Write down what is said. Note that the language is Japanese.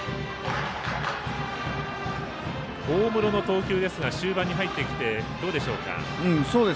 大室の投球ですが、終盤に入ってきてどうでしょうか。